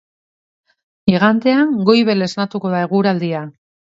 Igandean goibel esnatuko da eguraldia.